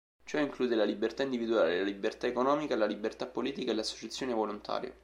Ciò include la libertà individuale, la libertà economica, la libertà politica e l'associazione volontaria.